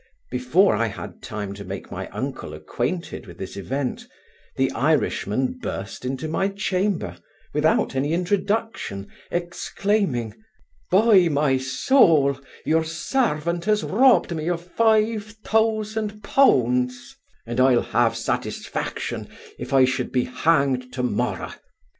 Before I had time to make my uncle acquainted with this event, the Irishman burst into my chamber, without any introduction, exclaiming, 'By my soul, your sarvant has robbed me of five thousand pounds, and I'll have satisfaction, if I should be hanged tomorrow.